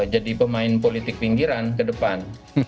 jadi pemain politik pinggiran ke depan